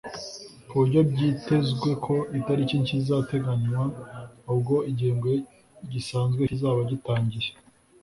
ku buryo byitezwe ko itariki nshya izagenwa ubwo igihembwe gisanzwe kizaba gitangiye